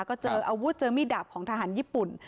ก็เจออาวุธเจอมีดดาบของทหารญี่ปุ่น